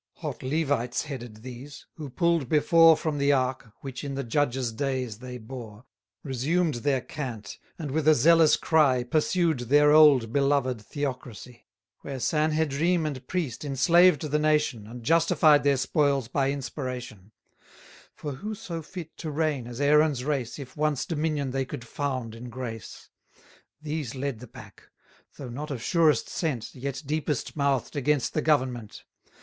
Hot Levites headed these; who pull'd before From the ark, which in the Judges' days they bore, 520 Resumed their cant, and with a zealous cry, Pursued their old beloved theocracy: Where Sanhedrim and priest enslaved the nation, And justified their spoils by inspiration: For who so fit to reign as Aaron's race, If once dominion they could found in grace? These led the pack; though not of surest scent, Yet deepest mouth'd against the government.